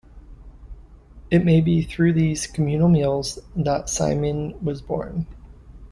It may be through these communal meals that saimin was born.